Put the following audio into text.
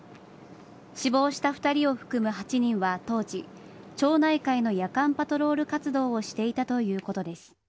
死亡した２人を含む８人は当時町内会の夜間パトロール活動をしていたということです。